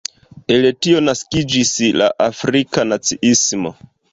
El tio naskiĝis la Afrika naciismo.